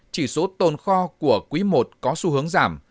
chỉ số tồn kho của quý i có xu hướng giảm